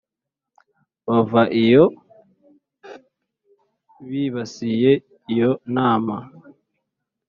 bava iyo bibasiye iyo nama